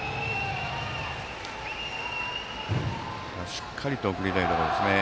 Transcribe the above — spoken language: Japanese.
しっかりと送りたいところですね。